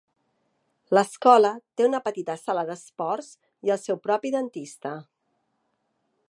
L'escola té una petita sala d'esports i el seu propi dentista.